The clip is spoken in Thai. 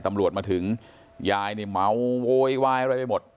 ตำรวจมาถึงยายนี่เมาโวยวายอะไรไปหมด